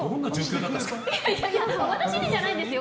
私にじゃないですよ。